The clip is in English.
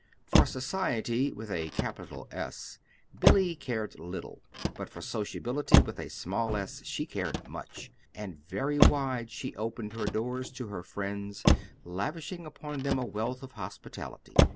For Society with a capital S, Billy cared little; but for sociability with a small s, she cared much; and very wide she opened her doors to her friends, lavishing upon them a wealth of hospitality.